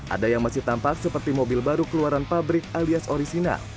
ada yang masih tampak seperti mobil baru keluaran pabrik alias origina